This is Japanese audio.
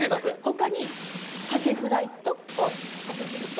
ほかに、鮭フライと鮭汁と。